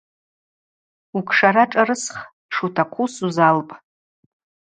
Укшара Ашӏарысх, йшутахъу сузалпӏ.